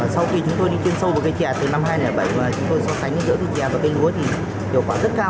sau khi chúng tôi đi chuyên sâu với cây chè từ năm hai nghìn bảy chúng tôi so sánh giữa cây chè và cây lúa thì hiệu quả rất cao